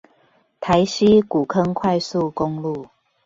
台西古坑快速公路